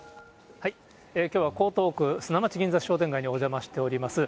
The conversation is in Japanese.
きょうは江東区砂町銀座商店街にお邪魔しております。